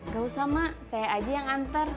gak usah mak saya aja yang nganter